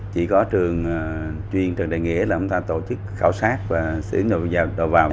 chỉ có trường chuyên trần đại nghĩa là chúng ta tổ chức khảo sát và sử dụng đồ vào